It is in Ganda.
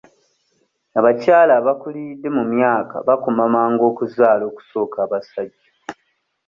Abakyala abakuliridde mu myaka bakoma mangu okuzaala okusooka abasajja